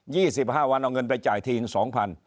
ยี่สิบห้าวันเอาเงินไปจ่ายทีหนึ่งสองพัน